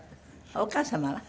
お母様は？